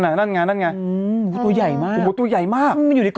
อยู่ตัวใหญ่มาก